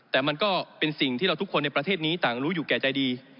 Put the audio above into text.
แต่มันก็เป็นสิ่งที่เราทุกคนในประเทศนี้ต่างรู้อยู่แก่ใจดี